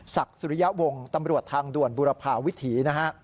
ศักดิ์ศุริยาวงศ์ตำรวจทางด่วนบุรพาวิถี